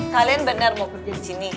kalian benar mau kerja di sini